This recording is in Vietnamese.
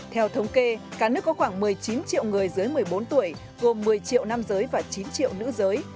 theo thống kê cả nước có khoảng một mươi chín triệu người dưới một mươi bốn tuổi gồm một mươi triệu nam giới và chín triệu nữ giới